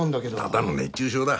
ただの熱中症だ。